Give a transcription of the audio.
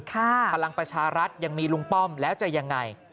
พลังประชารัฐยังมีลุงป้อมแล้วจะยังไง